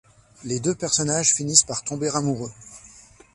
Les deux personnages finissent par tomber amoureux.